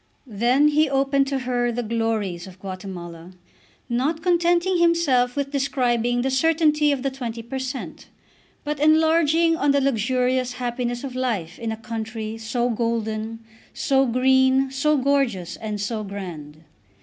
Then he opened to her the glories of Guatemala, not contenting himself with describing the certainty of the 20 per cent., but enlarging on the luxurious happiness of life in a country so golden, so green, so gorgeous, and so grand.